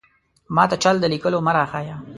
ماته چل د ليکلو مۀ راښايه!